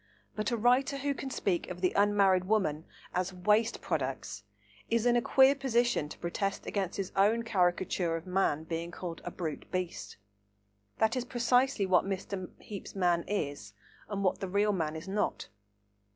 But a writer who can speak of the unmarried women as "waste products" is in a queer position to protest against his own caricature of man being called a "brute beast." That is precisely what Mr. Heape's man is and what the real man is not.